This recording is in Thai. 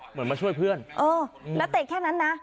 เหมือนมาช่วยเพื่อนเออแล้วเตะแค่นั้นนะ